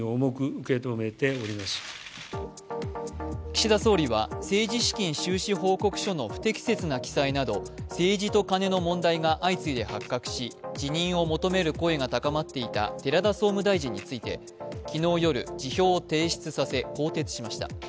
岸田総理は政治資金収支報告書の不適切な記載など政治とカネの問題が相次いで発覚し辞任を求める声が高まっていた寺田総務大臣について、昨日夜、辞表を提出させ更迭しました。